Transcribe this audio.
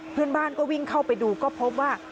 เพื่อนบ้านก็วิ่งเข้าไปดูก็พบว่า